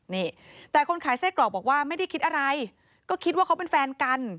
นี่แต่คนขายไส้กรอกบอกว่าไม่ได้คิดอะไรก็คิดว่าเขาเป็นแฟนกัน